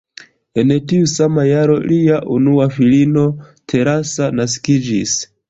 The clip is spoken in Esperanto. En tiu sama jaro lia unua filino Teresa naskiĝis.